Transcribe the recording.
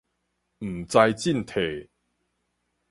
毋知進退